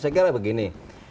saya kira begini